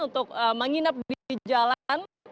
untuk menginap di jalan